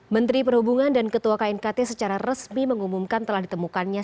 menteri perhubungan dan ketua knkt secara resmi mengumumkan telah ditemukannya